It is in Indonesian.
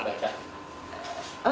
ada cerita sejarah yang memang banyak banyak